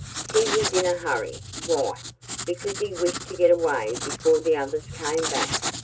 "He was in a hurry why? Because he wished to get away before the others came back.